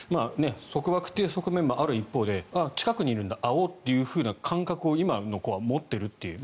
束縛という側面もある一方であっ、近くにいるんだ会おうという感覚を今の子は持っているという。